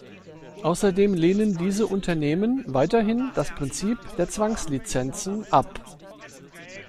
Außerdem lehnen diese Unternehmen weiterhin das Prinzip der Zwangslizenzen ab.